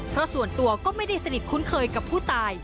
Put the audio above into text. เพราะส่วนตัวก็ไม่ได้สนิทคุ้นเคยกับผู้ตาย